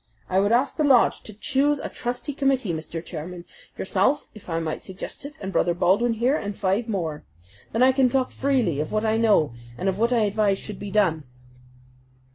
I would ask the lodge to choose a trusty committee, Mr. Chairman yourself, if I might suggest it, and Brother Baldwin here, and five more. Then I can talk freely of what I know and of what I advise should be done."